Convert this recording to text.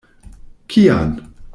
Kian?